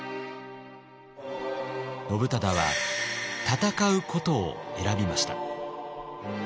信忠は戦うことを選びました。